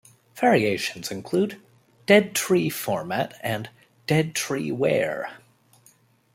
Variations include "dead-tree format" and "dead-tree-ware".